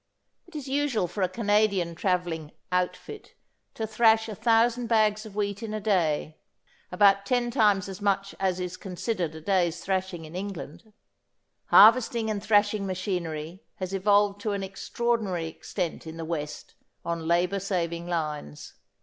It is usual for a Canadian travelling "outfit" to thrash 1000 bags of wheat in a day, about ten times as much as is considered a day's thrashing in England. Harvesting and thrashing machinery has evolved to an extraordinary extent in the West on labour saving lines.